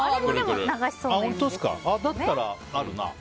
だったら、あるな。